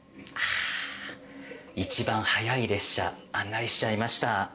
あっ、一番早い列車案内しちゃいました。